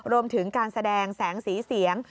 รวมถึงการแสดงแสงสีเสียง